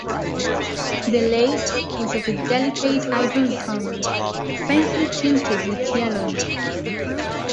The lace was of a delicate ivory color, faintly tinted with yellow.